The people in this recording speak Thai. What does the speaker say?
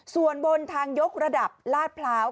ส่วนบนทางยกระดับลาดพร้าว